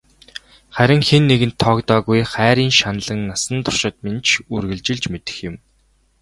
Харин хэн нэгэнд тоогдоогүй хайрын шаналан насан туршид минь ч үргэлжилж мэдэх юм.